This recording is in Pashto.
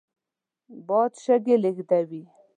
باد شګې لېږدوي